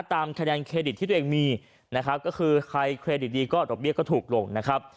ตามคะแนนเครดิตที่ตัวเองมีนะครับก็คือใครเครดิตดีก็ดอกเบี้ยก็ถูกลงนะครับ